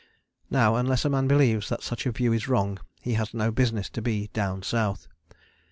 Now unless a man believes that such a view is wrong he has no business to be 'down South.'